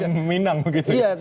tidak ada minang begitu ya